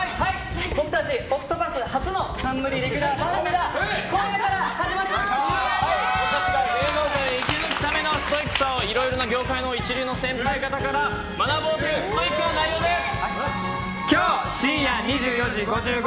僕たちＯＣＴＰＡＴＨ初の冠レギュラー番組が僕たちが芸能界を生き抜くためのストイックさをいろんな業界の一流の先輩方から学ぼうというストイックな内容です。